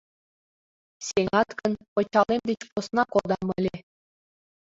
— Сеҥат гын, пычалем деч посна кодам ыле.